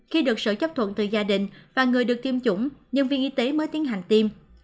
khi được sự chấp thuận từ gia đình và người được tiêm chủng nhân viên y tế mới tiến hành tiêm